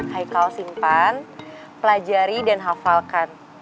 hikal simpan pelajari dan hafalkan